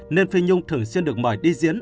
nên phi nhung thường xuyên được mời đi diễn